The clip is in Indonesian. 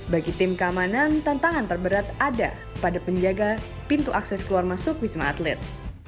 bagi tim keamanan tantangan terberat ada pada penjaga pintu akses keluar masuk wisma atlet